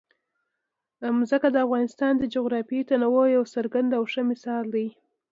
ځمکه د افغانستان د جغرافیوي تنوع یو څرګند او ښه مثال دی.